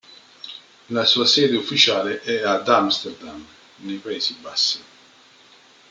La sua sede ufficiale è ad Amsterdam, nei Paesi Bassi.